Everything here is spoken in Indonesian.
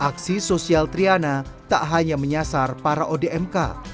aksi sosial triana tak hanya menyasar para odmk